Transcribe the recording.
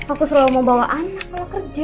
aku selalu mau bawa dia ke tempat kerja